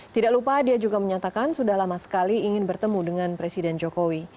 tidak lupa dia juga menyatakan sudah lama sekali ingin bertemu dengan presiden jokowi